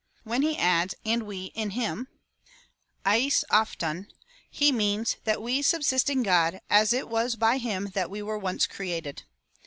When he adds — and we in him, (eU avrov,) he means, that we subsist in God, as it was by him that we were once created.